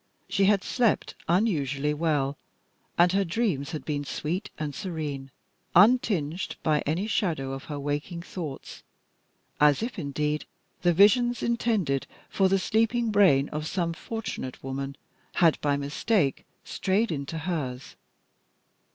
She had slept unusually well, and her dreams had been sweet and serene, untinged by any shadow of her waking thoughts, as if, indeed, the visions intended for the sleeping brain of some fortunate woman had by mistake strayed into hers.